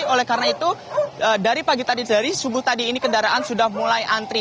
oleh karena itu dari pagi tadi dari subuh tadi ini kendaraan sudah mulai antri